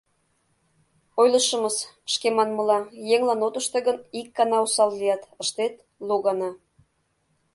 Ойлышымыс, шке манмыла, еҥлан от ыште гын, ик гана осал лият, ыштет — лу гана.